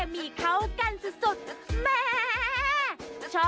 มันจดจ้ะ